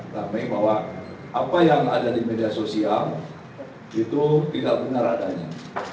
kami bahwa apa yang ada di media sosial itu tidak benar adanya